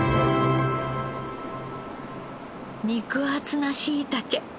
肉厚なしいたけ。